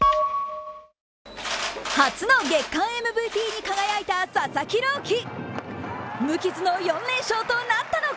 初の月間ＭＶＰに輝いた佐々木朗希。